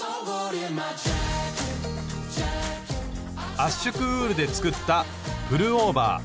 圧縮ウールで作ったプルオーバー。